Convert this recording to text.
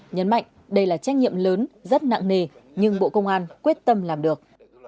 nhấn mạnh đây là trách nhiệm lớn rất nặng nề nhưng bộ công an quyết tâm làm được